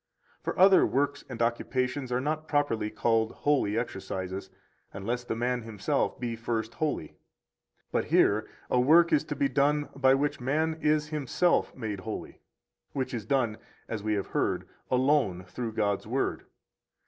For other works and occupations are not properly called holy exercises, unless the man himself be first holy. But here a work is to be done by which man is himself made holy, which is done (as we have heard) alone through God's Word.